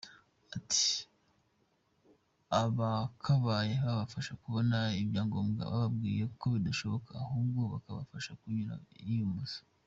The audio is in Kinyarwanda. Ati “Abakabaye babafasha kubona ibyangombwa, bababwira ko bidashoboka ahubwo bakabafasha kunyura iy’ubusamo.